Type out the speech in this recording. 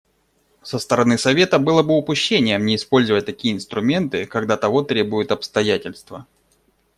Со стороны Совета было бы упущением не использовать такие инструменты, когда того требуют обстоятельства.